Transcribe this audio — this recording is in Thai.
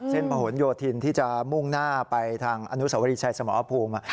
ประหลโยธินที่จะมุ่งหน้าไปทางอนุสวรีชัยสมรภูมิ